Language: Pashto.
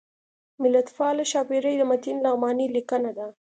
ملتپاله ښاپیرۍ د متین لغمانی لیکنه ده